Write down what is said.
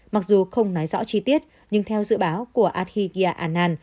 mặc dù không nói rõ chi tiết nhưng theo dự báo của abiyagia anand